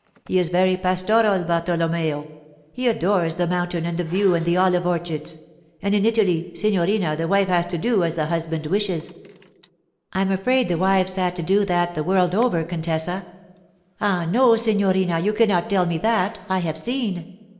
He is very pastoral—Bartolomeo. He adores the mountain and the view and the olive orchards. And in Italy, signorina, the wife has to do as the husband wishes.' 'I'm afraid the wives have to do that the world over, contessa.' 'Ah, no, signorina, you cannot tell me that; I have seen.